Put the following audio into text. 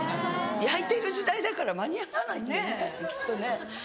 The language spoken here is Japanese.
焼いてる時代だから間に合わないきっとね。